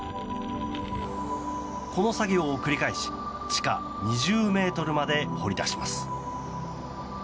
この作業を繰り返し地下２０ｍまで掘り出します。